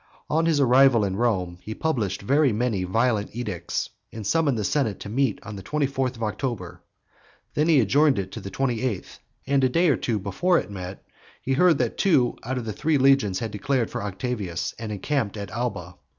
On his arrival in Rome he published many very violent edicts, and summoned the senate to meet on the twenty fourth of October; then he adjourned it to the twenty eighth; and a day or two before it met, he heard that two out of the three legions had declared for Octavius, and encamped at Alba.